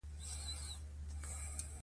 ځینې ماشومان هېڅکله نه مني چې جدا شي.